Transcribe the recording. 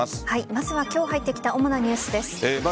まずは今日入ってきた主なニュースです。